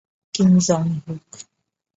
Kim Jong হিউক?